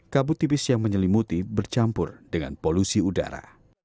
kabut tipis yang menyelimuti bercampur dengan polusi udara